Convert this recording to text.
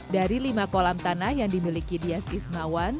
dari lima kolam tanah yang dimiliki dias ismawan